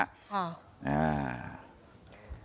อ่า